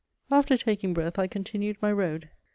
After taking breath I continued my road.